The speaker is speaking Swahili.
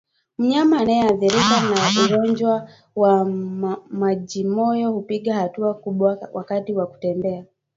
Mnyama aliyeathirika na ugonjwa wa mamjimoyo hupiga hatua kubwa wakati wa kutembea